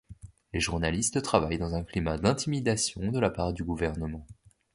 Les journalistes travaillent dans un climat d'intimidations de la part du gouvernement.